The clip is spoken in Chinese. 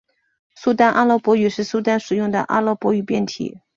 苏丹阿拉伯语是苏丹使用的阿拉伯语变体。